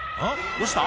どうした？